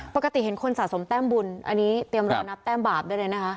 ปกติเห็นคนสะสมแต้มบุญอันนี้เตรียมรอนับแต้มบาปได้เลยนะคะ